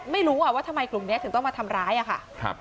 ไม่รู้ว่าทำไมกลุ่มนี้ถึงต้องมาทำร้ายอะค่ะ